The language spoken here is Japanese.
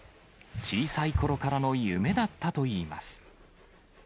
小さいころからの夢だったといいます。